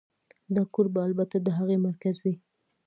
دا کور به البته د هغې مرکز وي